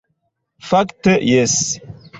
Fakte jes!